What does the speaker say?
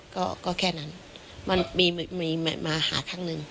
ก็แค่นั้นมันมีมาหาครั้งหนึ่ง